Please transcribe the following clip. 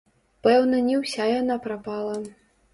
Пэўна, не ўся яна прапала.